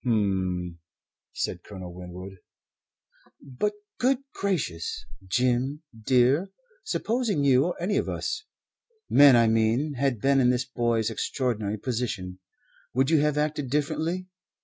"H'm!" said Colonel Winwood. "But, good gracious, Jim, dear, supposing you or any of us men, I mean had been in this boy's extraordinary position would you have acted differently?